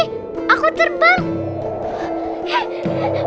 ratu para bidadari